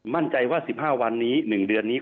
มั่นใจว่า๑๕วันนี้๑เดือนนี้